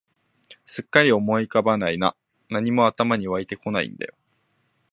すっかり思い浮かばないな、何も頭に湧いてこないんだよ